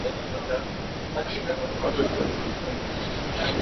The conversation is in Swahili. Babu amepotea